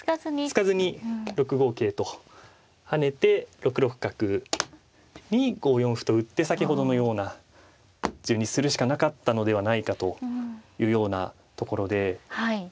突かずに６五桂と跳ねて６六角に５四歩と打って先ほどのような順にするしかなかったのではないかというようなところで。